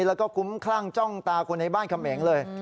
แล้วก็คุ้มคลั่งจ้องตาคนในบ้านเขมงเลย